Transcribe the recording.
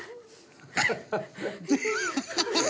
ハハハハ！